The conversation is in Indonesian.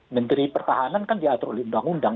menteri pertahanan kan diatur oleh undang undang